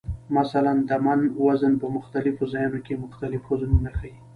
مثلا د "من" وزن په مختلفو ځایونو کې مختلف وزنونه ښیي.